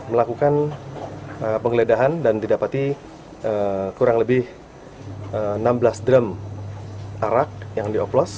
melakukan penggeledahan dan didapati kurang lebih enam belas drum arak yang dioplos